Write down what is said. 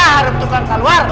harap tuh kan keluar